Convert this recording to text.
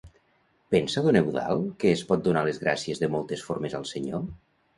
Pensa don Eudald que es pot donar les gràcies de moltes formes al senyor?